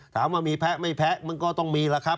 ถามว่ามีแพ้ไม่แพ้มันก็ต้องมีแล้วครับ